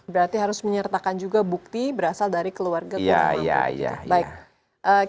berarti harus menyertakan juga bukti berasal dari keluarga korban